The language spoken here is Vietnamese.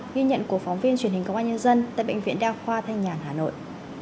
ghi nhận của phóng viên truyền hình công an nhân dân tại bệnh viện đa khoa thanh nhàn hà nội